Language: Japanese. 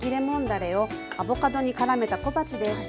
だれをアボカドにからめた小鉢です。